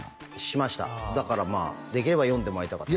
しましただからできれば読んでもらいたかったです